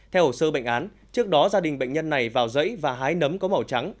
theo hồ sơ bệnh án trước đó gia đình bệnh nhân này vào rẫy và hái nấm có màu trắng